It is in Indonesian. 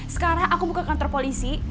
sekarang aku buka kantor polisi